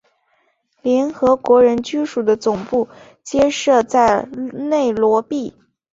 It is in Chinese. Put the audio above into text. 联合国人居署的总部皆设在内罗毕。